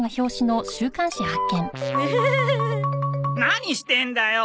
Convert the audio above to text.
何してんだよ！